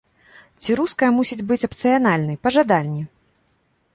Ці руская мусіць быць апцыянальнай, па жаданні?